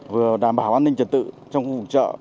và đảm bảo an ninh trật tự trong khu vực chợ